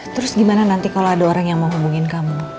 terus gimana nanti kalau ada orang yang mau hubungin kamu